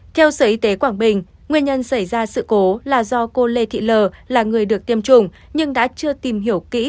theo sở y tế quảng bình nguyên nhân xảy ra sự cố là do cô lê thị lờ là người được tiêm chủng nhưng đã chưa tìm hiểu kỹ